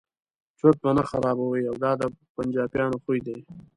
چرت به نه خرابوي دا د پنجابیانو خوی دی.